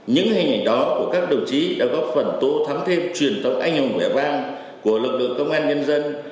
những hình ảnh đó của các đồng chí đã góp phần tố thắng thêm truyền thống anh hùng vẻ vang của lực lượng công an nhân dân